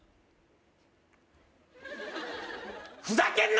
ふざけんな！